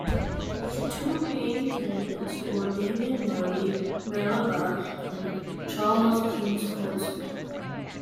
The two main candidates were Dame Nellie Melba and Charles Kingsford Smith.